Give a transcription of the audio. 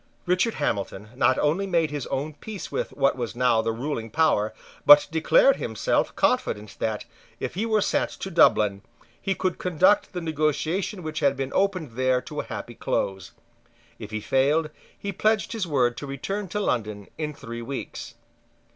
Richard Hamilton not only made his own peace with what was now the ruling power, but declared himself confident that, if he were sent to Dublin, he could conduct the negotiation which had been opened there to a happy close. If he failed, he pledged his word to return to London in three weeks.